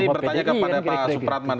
saya ingin nanti bertanya kepada pak supratman